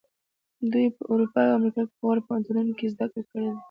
دوی په اروپا او امریکا کې په غوره پوهنتونونو کې زده کړې کړې دي.